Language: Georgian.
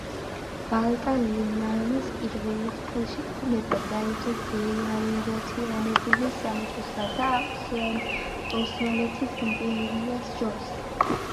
ბალტა-ლიმანის პირველი ხელშეკრულება დაიდო გაერთიანებულ სამეფოსა და ოსმალეთის იმპერიას შორის.